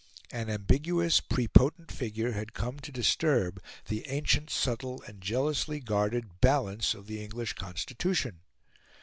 An ambiguous, prepotent figure had come to disturb the ancient, subtle, and jealously guarded balance of the English Constitution.